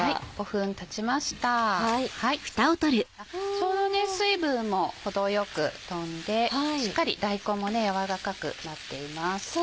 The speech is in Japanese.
ちょうど水分も程よく飛んでしっかり大根も軟らかくなっています。